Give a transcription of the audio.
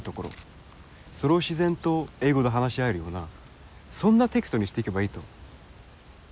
それを自然と英語で話し合えるようなそんなテキストにしていけばいいと。